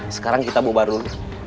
sekarang kita bubar dulu